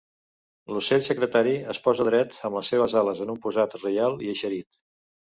L'ocell secretari es posa dret amb les seves ales en un posat reial i eixerit.